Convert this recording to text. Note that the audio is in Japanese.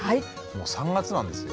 もう３月なんですよ。